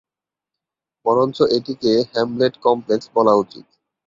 বরঞ্চ এটিকে 'Hamlet complex' বলা উচিত।